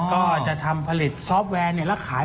ก็จะทำผลิตซอฟต์แวร์แล้วขาย